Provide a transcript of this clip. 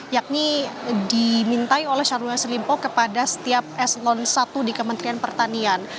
yakni dimintai oleh syahrul yassin limpo kepada setiap eselon i di kementerian pertanian